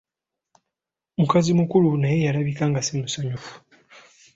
Mukazi mukulu naye yalabika nga simusanyufu.